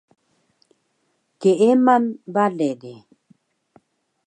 Keeman bale di